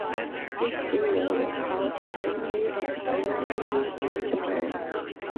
This single was out the same day of summer ending in Japan.